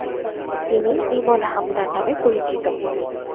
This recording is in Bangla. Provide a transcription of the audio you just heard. তিনি ইবন হামদান নামে পরিচিত।